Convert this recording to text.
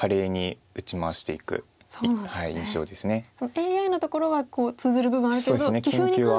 ＡＩのところは通ずる部分あるけど棋風に関しては真逆と。